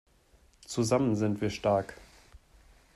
Zusammen sind wir stark!